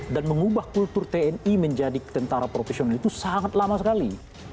dan mengubah kultur tni menjadi tentara profesional itu sangat lama sekali